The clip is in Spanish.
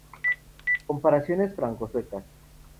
Comparaciones franco-suecas".